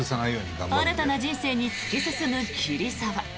新たな人生に突き進む桐沢。